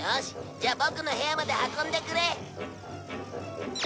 じゃあボクの部屋まで運んでくれ！」